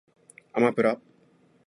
あまぷら